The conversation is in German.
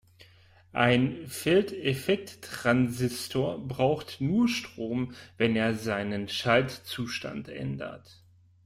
Ein Feldeffekttransistor braucht nur Strom, wenn er seinen Schaltzustand ändert.